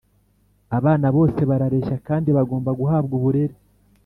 Abana bose barareshya kandi bagomba guhabwa uburere